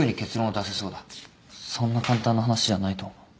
そんな簡単な話じゃないと思う。